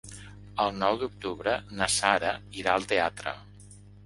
El nou d'octubre na Sara irà al teatre.